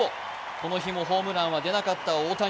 この日もホームランは出なかった大谷。